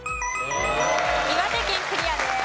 岩手県クリアです。